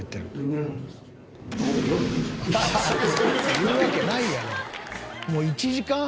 「言うわけないやん」